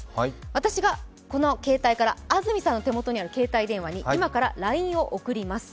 私がこの携帯から安住さんの手元にある携帯電話に今からＬＩＮＥを送ります。